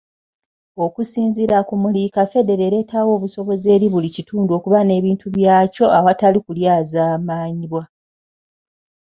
Okusinziira ku Muliika, federo ereetawo obusobozi eri buli kitundu okuba n'ebintu byakyo awatali kulyazaamanyibwa.